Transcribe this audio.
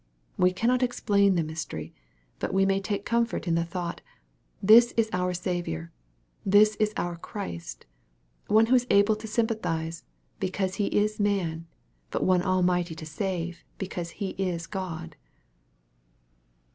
We cannot explain the mystery ; but we may take comfort in the thought, " this is our Saviour, this is our Christ one able to sympathize, because He is man, but one Almighty to save, because He is God."